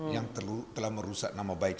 yang telah merusak nama baik